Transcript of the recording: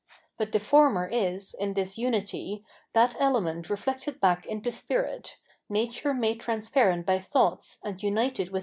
But the former is, in this unity, that element reflected back into spirit, nature made transparent by thoughts and united with self * V.